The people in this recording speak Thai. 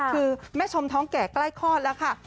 คือแม่ชมท้องแก่ใกล้คลอดแล้วค่ะ